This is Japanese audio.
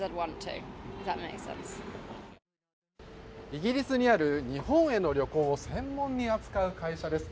イギリスにある日本への旅行を専門に扱う会社です。